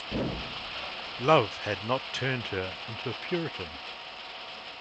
Love had not turned her into a Puritan.